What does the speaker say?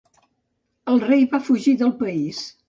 El rei va fugir del país.